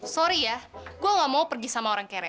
sorry ya gue gak mau pergi sama orang kere